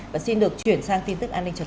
và xin được chuyển sang tin tức an ninh trật tự